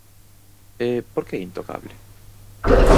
E ¿por que é intocable?